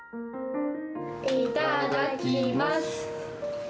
いただきます。